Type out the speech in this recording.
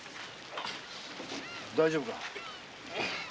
大丈夫か？